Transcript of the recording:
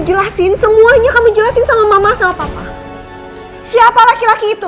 jelasin semuanya kami jelasin sama mama sama papa siapa laki laki itu